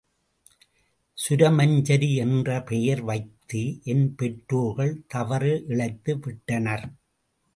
சுரமஞ்சரி என்று பெயர் வைத்து என் பெற்றோர்கள் தவறு இழைத்து விட்டனர்.